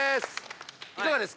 いかがですか？